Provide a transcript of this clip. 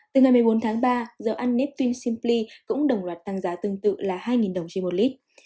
từ ngày một mươi bốn tháng ba dầu ăn neptune simply cũng đồng loạt tăng giá tương tự là hai đồng trên một lít